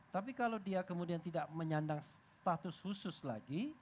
tapi kalau dia kemudian tidak menyandang status khusus lagi